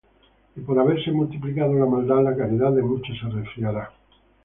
Y por haberse multiplicado la maldad, la caridad de muchos se resfriará.